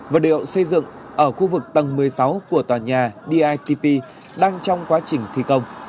vật liệu xây dựng ở khu vực tầng một mươi sáu của tòa nhà ditp đang trong quá trình thi công